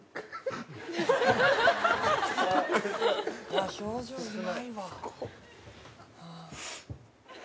うわ表情うまいわ。